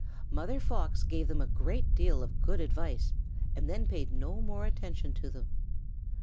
Mother Fox gave them a great deal of good advice and then paid no more attention to them.